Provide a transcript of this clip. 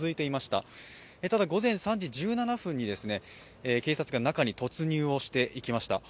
ただ、午前３時１７分に警察が中に突入してきました。